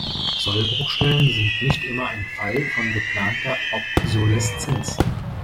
Sollbruchstellen sind nicht immer ein Fall von geplanter Obsoleszenz.